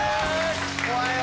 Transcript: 怖いよ。